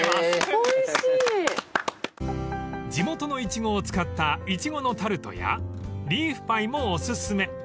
［地元のイチゴを使ったいちごのタルトやリーフパイもお薦め］